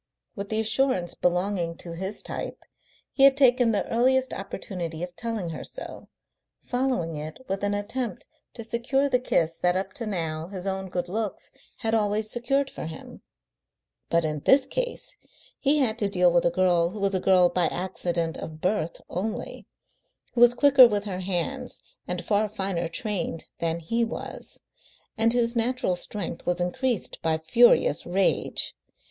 With the assurance belonging to his type, he had taken the earliest opportunity of telling her so, following it with an attempt to secure the kiss that up to now his own good looks had always secured for him. But in this case he had to deal with a girl who was a girl by accident of birth only, who was quicker with her hands and far finer trained than he was, and whose natural strength was increased by furious rage.